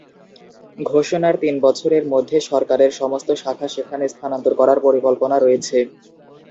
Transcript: ঘোষণার তিন বছরের মধ্যে সরকারের সমস্ত শাখা সেখানে স্থানান্তর করার পরিকল্পনা রয়েছে।